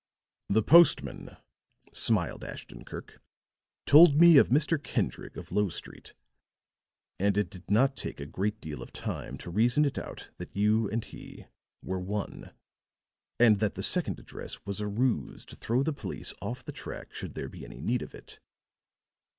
"The postman," smiled Ashton Kirk, "told me of Mr. Kendreg of Lowe Street, and it did not take a great deal of time to reason it out that you and he were one, and that the second address was a ruse to throw the police off the track should there be any need of it.